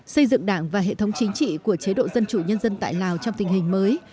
xây dựng đảng và hệ thống chính trị của chế độ dân chủ nhân dân tại lào trong tình hình mới